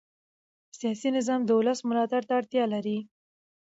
سیاسي نظام د ولس ملاتړ ته اړتیا لري